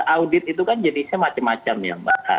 audit itu kan jenisnya macam macam ya mbak